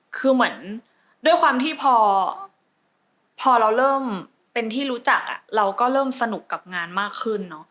คือเหมือนด้วยความที่พอเราเริ่มเป็นที่รู้จักเราก็เริ่มสนุกกับงานมากขึ้นเนอะ